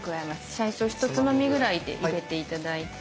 最初ひとつまみぐらいで入れて頂いて。